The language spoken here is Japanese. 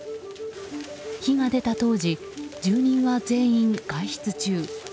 火が出た当時、住人は全員外出中。